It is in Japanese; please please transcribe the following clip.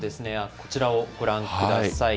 こちらをご覧ください。